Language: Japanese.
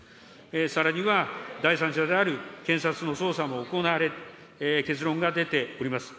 さらには第三者である検察の捜査も行われ、結論が出ております。